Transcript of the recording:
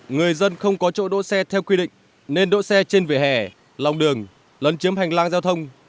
người dân không có chỗ đỗ xe theo quy định nên đỗ xe trên vỉa hè lòng đường lấn chiếm hành lang giao thông